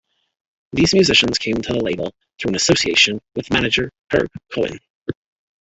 These musicians came to the label through an association with manager Herb Cohen.